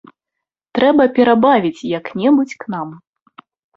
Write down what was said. Трэба перабавіць як-небудзь к нам.